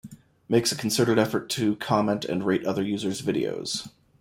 Makes a concerted effort to comment and rate other users' videos.